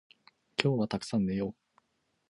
今日はたくさん寝よう